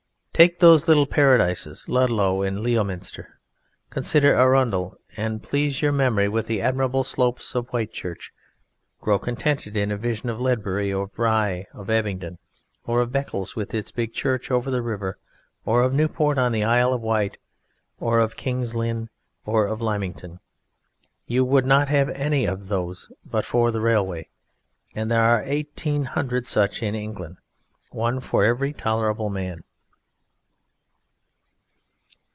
Take those little paradises Ludlow and Leominster; consider Arundel, and please your memory with the admirable slopes of Whitchurch; grow contented in a vision of Ledbury, of Rye, or of Abingdon, or of Beccles with its big church over the river, or of Newport in the Isle of Wight, or of King's Lynn, or of Lymington you would not have any of these but for the railway, and there are 1800 such in England one for every tolerable man.